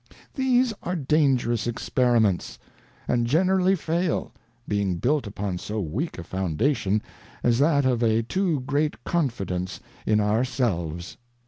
These are dangerous experiments, and generally fail, being built upon so weak a foundation, as that of a too great Confidence in our selves.